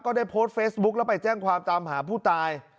ได้โพสต์เฟซบุ๊คแล้วไปแจ้งความตามหาผู้ตาย